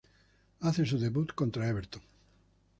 Hace su debut contra Everton.